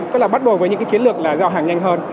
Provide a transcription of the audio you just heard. tức là bắt đầu với những cái chiến lược là giao hàng nhanh hơn